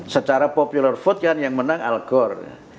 secara popular vote kan yang menang al qur